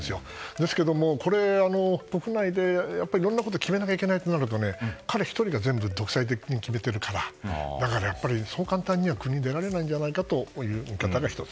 ですけども国内でいろんなことを決めないといけないとなると彼１人が全部を独裁的に決めているからだからそう簡単には国を出られないんじゃないかなという見方が１つ。